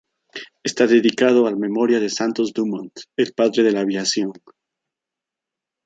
Está dedicado a la memoria de Santos Dumont, el padre de la aviación.